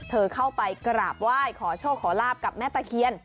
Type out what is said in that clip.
เธอเข้าไปกราบไหว้ขอโชคขอลาบกับแม่ตะเคียน